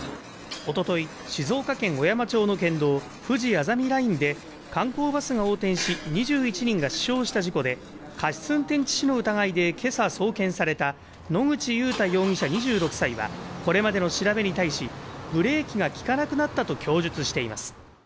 おととい静岡県小山町の県道、ふじあざみラインで観光バスが横転し、２１人が死傷した事故で、過失運転致死の疑いで今朝送検された野口祐太容疑者２６歳はこれまでの調べに対しブレーキが利かなくなったと供述しています。